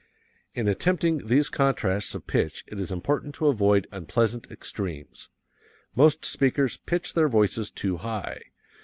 In attempting these contrasts of pitch it is important to avoid unpleasant extremes. Most speakers pitch their voices too high.